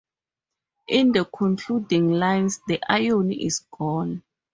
In the concluding lines the irony is gone.